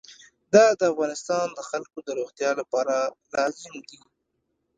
دا د افغانستان د خلکو د روغتیا لپاره لازم دی.